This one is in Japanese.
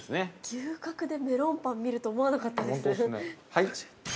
◆牛角で、メロンパン見るとは思わなかったですね。